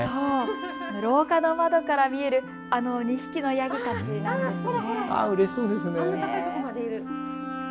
廊下の窓から見えるあの２匹のヤギたちなんですね。